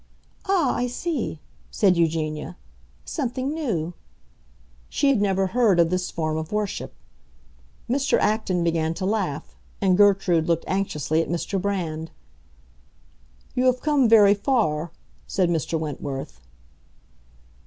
"Ah, I see," said Eugenia. "Something new." She had never heard of this form of worship. Mr. Acton began to laugh, and Gertrude looked anxiously at Mr. Brand. "You have come very far," said Mr. Wentworth.